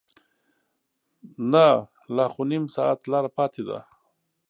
نه لا خو نیم ساعت لاره پاتې ده.